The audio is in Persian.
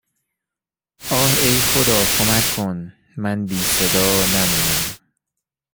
آه ای خدا کمک کن من بی صدا نمونم